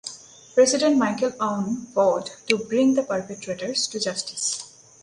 President Michel Aoun vowed to "bring the perpetrators to justice".